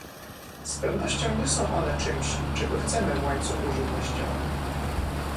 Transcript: z pewnością nie są one czymś, czego chcemy w łańcuchu żywnościowym